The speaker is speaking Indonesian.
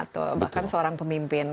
atau bahkan seorang pemimpin